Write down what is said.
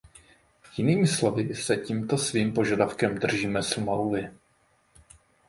Jinými slovy se tímto svým požadavkem držíme Smlouvy.